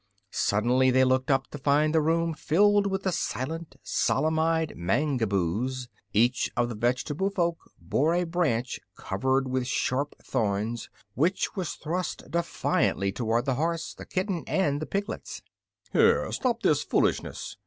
Suddenly they looked up to find the room filled with the silent, solemn eyed Mangaboos. Each of the vegetable folks bore a branch covered with sharp thorns, which was thrust defiantly toward the horse, the kitten and the piglets. "Here stop this foolishness!"